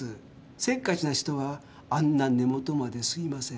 せっかちな人はあんな根元まで吸いません。